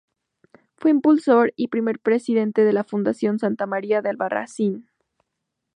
Fue impulsor y primer Presidente de la Fundación Santa María de Albarracín.